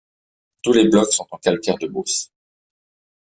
Tous les blocs sont en calcaire de Beauce.